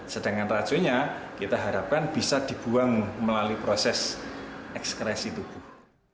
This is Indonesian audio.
sedangkan racunnya kita harapkan bisa dibuang melalui proses ekskresi tubuh